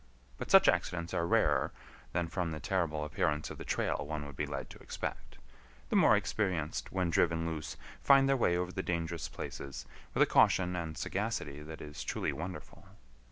But such accidents are rarer than from the terrible appearance of the trail one would be led to expect; the more experienced when driven loose find their way over the dangerous places with a caution and sagacity that is truly wonderful.